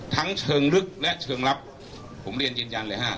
ถั้งเชิงรึกและเชิงรับผมเรียนเมื่อกันเลยห้า